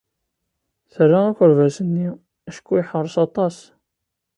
Terra akerbas-nni acku yeḥṛes aṭas.